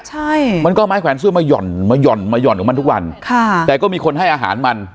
ใช่มันก็เอาไม้แขวนเสื้อมาหย่อนมาหย่อนมาห่อนของมันทุกวันค่ะแต่ก็มีคนให้อาหารมัน